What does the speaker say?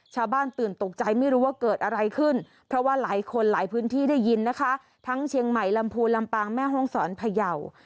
ชาวบ้านตื่นตกใจไม่รู้ว่าเกิดอะไรขึ้นเพราะว่าหลายคนหลายพื้นที่ได้ยินนะคะทั้งเชียงใหม่ลำพูนลำปางแม่ห้องศรพยาว